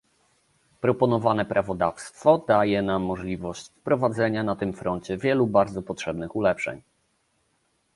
Proponowane prawodawstwo daje nam możliwość wprowadzenia na tym froncie wielu bardzo potrzebnych ulepszeń